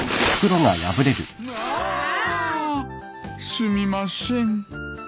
すみません。